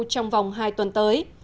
trong vòng hai tuần tới